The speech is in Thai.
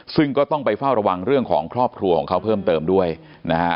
ซึ่งก็ต้องไปเฝ้าระวังเรื่องของครอบครัวของเขาเพิ่มเติมด้วยนะฮะ